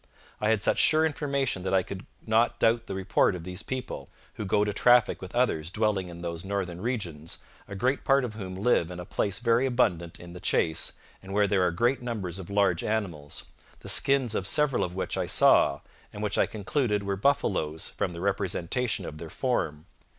I had such sure information that I could not doubt the report of these people, who go to traffic with others dwelling in those northern regions, a great part of whom live in a place very abundant in the chase and where there are great numbers of large animals, the skins of several of which I saw, and which I concluded were buffaloes from their representation of their form.